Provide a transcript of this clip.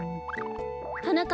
はなか